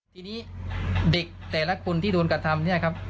ทีนี้เด็กแต่ละคนที่โดนกระทำ